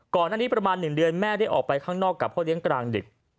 ก่อนหน้านี้ประมาณ๑เดือนแม่ได้ออกไปข้างนอกกับพ่อเลี้ยงกลางดึก